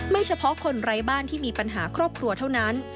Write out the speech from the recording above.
เฉพาะคนไร้บ้านที่มีปัญหาครอบครัวเท่านั้น